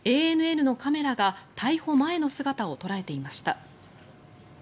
ＡＮＮのカメラが逮捕前の姿を捉えていました。